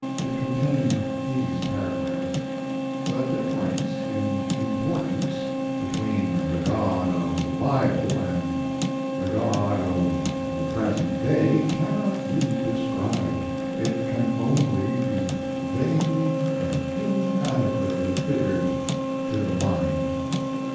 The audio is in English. It contained these paragraphs: The difference in importance, between the God of the Bible and the God of the present day, cannot be described, it can only be vaguely and inadequately figured to the mind....